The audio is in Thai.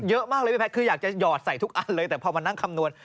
เยอะมากเลยพี่แพทย์คืออยากจะหยอดใส่ทุกอันเลยแต่พอมานั่งคำนวณ